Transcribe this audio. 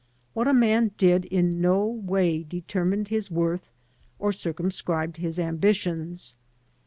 What a man did in no way determined his worth or circumscribed his ambitions.